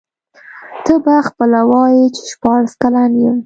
ته به خپله وایې چي شپاړس کلن یم.